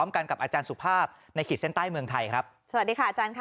กันกับอาจารย์สุภาพในขีดเส้นใต้เมืองไทยครับสวัสดีค่ะอาจารย์ค่ะ